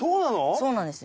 そうなんですよ。